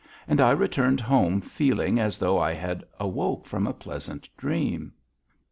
And I returned home feeling as though I had awoke from a pleasant dream.